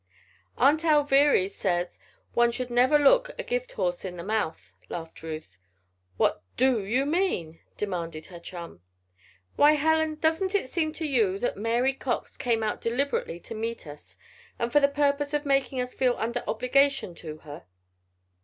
"Aunt Alviry says one should never look a gift horse in the mouth," laughed Ruth. "What do you mean?" demanded her chum. "Why, Helen, doesn't it seem to you that Mary Cox came out deliberately to meet us, and for the purpose of making us feel under obligation to her?"